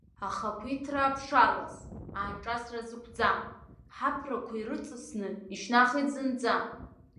Ахақәиҭра аԥшалас, аанҿасра зықәӡам, ҳаԥрақәа ирыҵасны ишьҭнахит зынӡа!